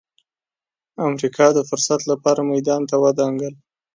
امریکا د فرصت لپاره میدان ته ودانګل.